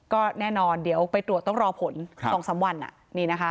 ก็แน่นอนเดี๋ยวไปตรวจต้องรอผลครับสองสามวันอ่ะนี่นะคะ